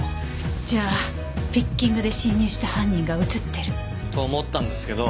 じゃあピッキングで侵入した犯人が映ってる？と思ったんですけど